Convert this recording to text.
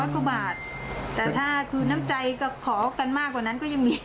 กว่าบาทแต่ถ้าคือน้ำใจก็ขอกันมากกว่านั้นก็ยังมี